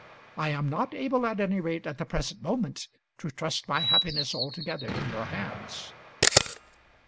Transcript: I am not able, at any rate at the present moment, to trust my happiness altogether in your hands."